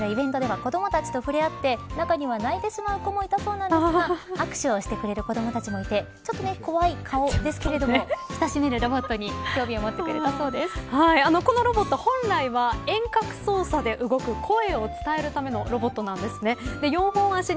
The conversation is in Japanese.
こちらイベントでは子供たちと触れ合って中には泣いてしまう子もいたそうなんですが爆笑してくれる子どもたちもいて怖い顔ですけど、親しめるロボットに興味をこのロボット、本来は遠隔操作で、動く声を伝えるためのロボットです。